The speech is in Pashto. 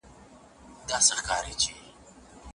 که ته په املا کي هره ورځ یو نوې کلمه زده کړې.